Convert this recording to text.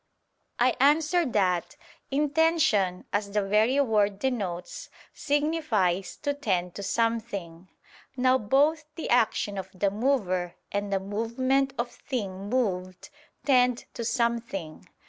I answer that, Intention, as the very word denotes, signifies, "to tend to something." Now both the action of the mover and the movement of thing moved, tend to something.